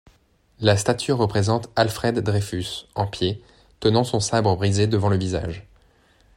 La statue représente Alfred Dreyfus, en pied, tenant son sabre brisé devant le visage.